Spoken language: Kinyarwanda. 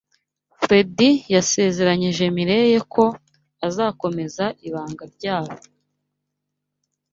Fredy yasezeranyije Mirelle ko azakomeza ibanga ryabo